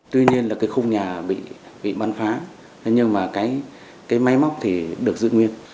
tuy nhiên là cái khung nhà bị bắn phá nhưng mà cái máy móc thì được giữ nguyên